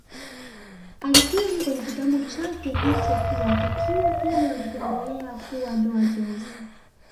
Alikiri kwenye kitabu chake hicho kuwa tukio hilo litaendelea kuwa doa jeusi